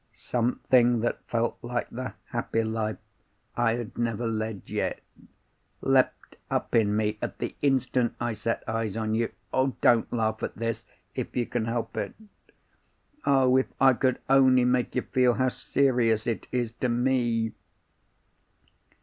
Something that felt like the happy life I had never led yet, leapt up in me at the instant I set eyes on you. Don't laugh at this if you can help it. Oh, if I could only make you feel how serious it is to _me!